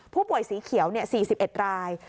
ผู้ป่วยสีเขียว๔๑ราย